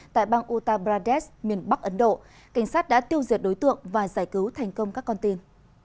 tại bang uttar pradesh miền bắc ấn độ cảnh sát đã tiêu diệt đối tượng và giải cứu thành công các con tim